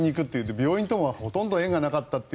病院とはほとんど縁がなかったという。